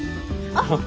あっ。